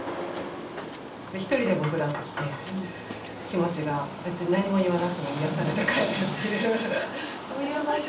ちょっと１人でもフラッと来て気持ちが別に何も言わなくても癒やされて帰るっていうそういう場所。